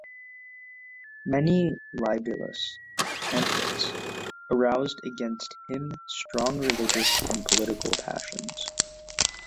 Many libelous pamphlets aroused against him strong religious and political passions.